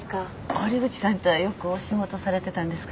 堀口さんとはよくお仕事されてたんですか？